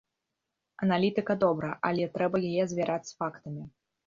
Аналітыка добра, але трэба яе звяраць з фактамі.